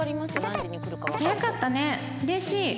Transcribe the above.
「早かったね！嬉しい！！